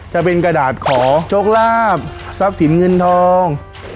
จะเป็นกระดาษขอโชคลาภทรัพย์สินเงินทอง